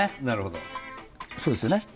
なるほどそうですよね？